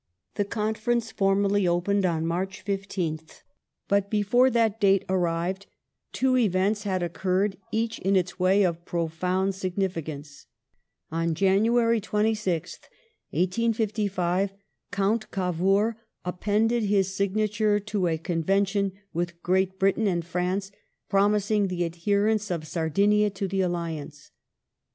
The Conference formally opened on March 15th, but before that date arrived two events had occurred, each, in its way, of profound significance. On January 26th, 1855, Count Cavour appended his signature Adhesion to a Convention with Great Britain and France, promising the^ ^^j^'^Q adherence of Sardinia to the Alliance.